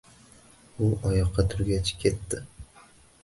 U oyoqqa turgach ketdi.